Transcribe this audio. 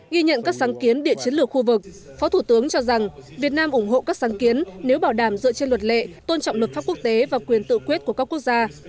ghi nhận các sáng kiến địa chiến lược khu vực phó thủ tướng cho rằng việt nam ủng hộ các sáng kiến nếu bảo đảm dựa trên luật lệ tôn trọng luật pháp quốc tế và quyền tự quyết của các quốc gia